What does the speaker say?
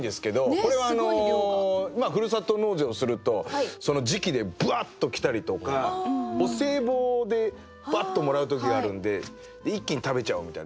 これはふるさと納税をするとその時期でぶわっと来たりとかお歳暮でバッともらう時があるんで一気に食べちゃおうみたいな。